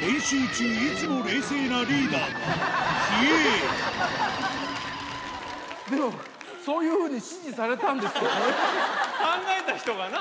練習中、いつも冷静なリーダでも、そういうふうに指示さ考えた人がな。